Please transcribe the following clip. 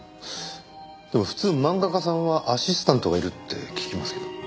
でも普通漫画家さんはアシスタントがいるって聞きますけど。